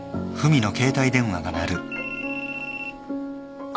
あっ。